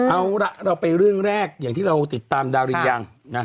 เอาล่ะเราไปเรื่องแรกอย่างที่เราติดตามดารินยัง